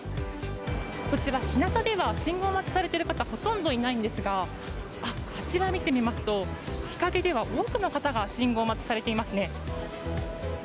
こちら日向では信号待ちをされている方はほとんどいないんですがあちら見てみますと、日陰では多くの方が信号待ちされてますね。